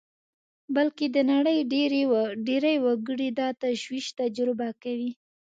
بلکې د نړۍ ډېری وګړي دا تشویش تجربه کوي